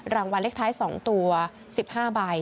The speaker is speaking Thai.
รางวัลเลขท้าย๒ตัว๑๕ใบ